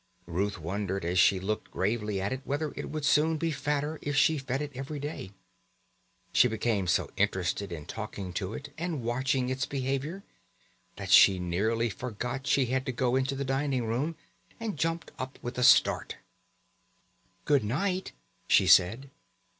Ruth wondered as she looked gravely at it whether it would soon be fatter if she fed it every day. She became so interested in talking to it, and watching its behaviour, that she nearly forgot she had to go into the dining room, and jumped up with a start. "Good night," she said.